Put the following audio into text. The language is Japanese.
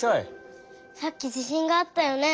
さっき地しんがあったよね？